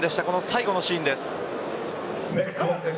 最後のシーンです。